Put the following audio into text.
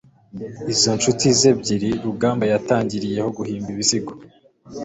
izo nshuti ze ebyiri rugamba yatangiriyeho guhimba ibisigo